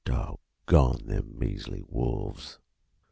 "Doggone them measly wolves!